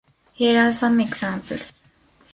Here are some examples.